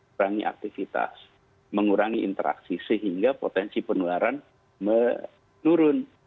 kurangi aktivitas mengurangi interaksi sehingga potensi penularan menurun